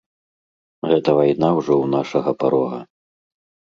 Гэта вайна ўжо ў нашага парога.